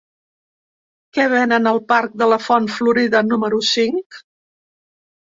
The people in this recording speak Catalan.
Què venen al parc de la Font Florida número cinc?